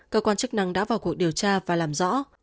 cơ quan chức năng đã vào cuộc điều tra và làm rõ